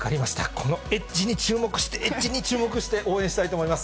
このエッジに注目して、エッジに注目して、応援したいと思います。